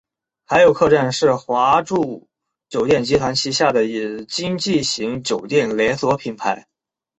海友客栈是华住酒店集团旗下的经济型酒店连锁品牌。